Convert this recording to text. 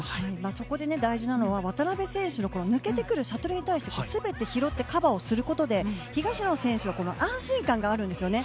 そこで大事なのが渡辺選手の抜けてくるシャトルに対して全て拾ってカバーすることで東野選手は安心感があるんですね。